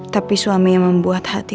tapi suami yang membuat hati